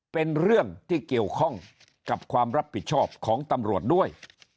เป็นเรื่องที่เกี่ยวข้องกับความรับผิดชอบของตำรวจด้วย